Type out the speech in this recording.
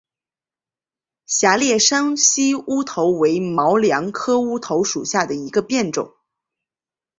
狭裂山西乌头为毛茛科乌头属下的一个变种。